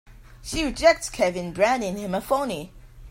She rejects Kevin, branding him a phoney.